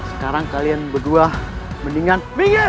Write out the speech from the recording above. sekarang kalian berdua mendingan